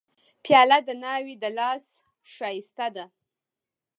پیاله د ناوې د لاس ښایسته ده.